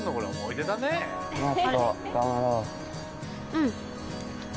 うん。